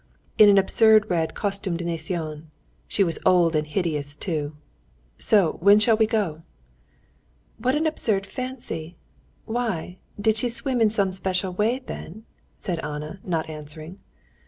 "In an absurd red costume de natation; she was old and hideous too. So when shall we go?" "What an absurd fancy! Why, did she swim in some special way, then?" said Anna, not answering.